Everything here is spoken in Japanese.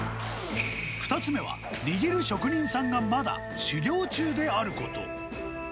２つ目は、握る職人さんがまだ修業中であること。